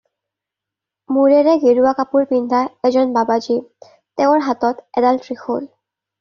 মুৰেৰে গেৰুৱা কাপোৰ পিন্ধা এজন বাবাজী, তেওঁৰ হাতত এডাল ত্ৰিশূল।